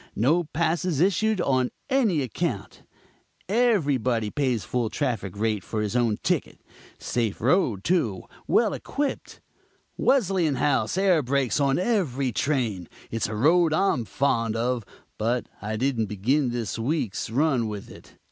No passes issued on any account; everybody pays full traffic rate for his own ticket. Safe road, too; well equipped; Wesleyanhouse air brakes on every train. It's a road I'm fond of, but I didn't begin this week's run with it."